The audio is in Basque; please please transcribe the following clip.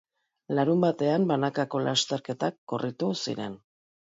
Larunbatean banakako lasterketak korritu ziren.